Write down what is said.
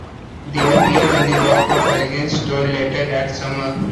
They appeared on the Rock of Allegiance tour later that summer.